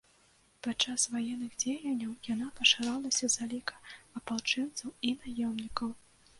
Падчас ваенных дзеянняў яна пашыралася за лік апалчэнцаў і наёмнікаў.